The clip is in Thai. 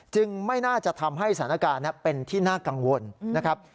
ไม่น่าจะทำให้สถานการณ์เป็นที่น่ากังวลนะครับ